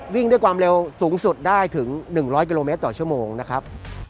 วิ่งด้วยความเร็วสูงสุดได้ถึง๑๐๐กิโลเมตรต่อชั่วโมงนะครับ